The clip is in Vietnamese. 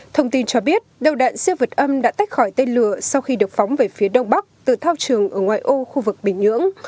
thông tin cho biết đầu đạn siêu vật âm đã tách khỏi tên lửa sau khi được phóng về phía đông bắc từ thao trường ở ngoài ô khu vực bình nhưỡng